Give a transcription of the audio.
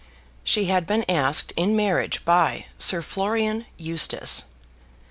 She had been asked in marriage by Sir Florian Eustace.